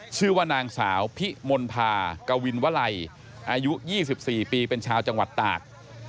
ชื่อว่านางสาวพิมลภากวินวลัยอายุ๒๔ปีเป็นชาวจังหวัดตาก